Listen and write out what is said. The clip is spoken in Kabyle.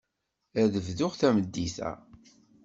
Ad bduɣ tameddit-a.